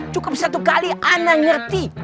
cukup satu kali ana ngerti